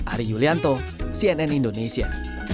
ari yulianto cnn indonesia